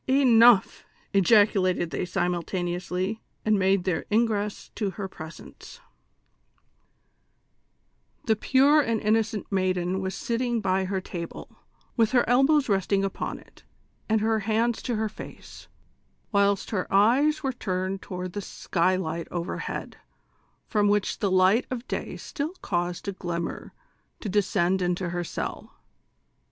"Enough," ejaculated they simultaneously, and made their ingress to her presence. 220 THE SOCIAL WAR OF 1900; OR, The pure and innocent maiden was sitting by her table, with her elbows resting upon it, and her hands to her face, whilst her eyes were turned toward the skylight overhead, from which the light of day still caused a glimmer to de scend into her cell.